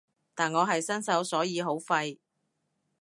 但我係新手所以好廢